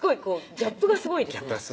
ギャップがすごいんですよ